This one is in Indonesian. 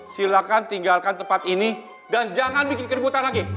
silahkan tinggalkan tempat ini dan jangan bikin keributan lagi